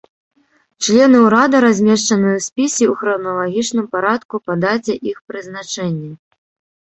Члены ўрада размешчаны ў спісе ў храналагічным парадку па даце іх прызначэння.